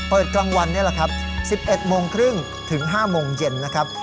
กลางวันนี่แหละครับ๑๑โมงครึ่งถึง๕โมงเย็นนะครับ